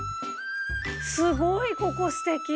すごいここすてき。